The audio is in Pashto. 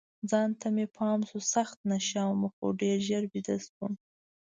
ځان ته مې پام شو، سخت نشه وم، خو ډېر ژر بیده شوم.